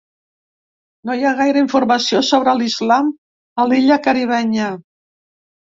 No hi ha gaire informació sobre l’islam a l’illa caribenya.